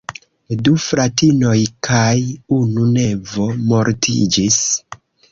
Du fratinoj kaj unu nevo mortiĝis.